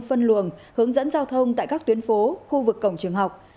phân luồng hướng dẫn giao thông tại các tuyến phố khu vực cổng trường học